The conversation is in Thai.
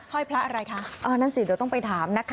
ห้อยพระอะไรคะเออนั่นสิเดี๋ยวต้องไปถามนะคะ